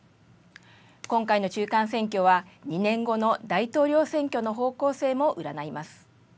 今回の中間選挙は、２年後の大統領選挙の方向性も占います。